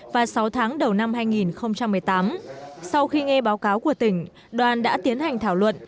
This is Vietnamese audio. và sáu tháng đầu năm hai nghìn một mươi tám sau khi nghe báo cáo của tỉnh đoàn đã tiến hành thảo luận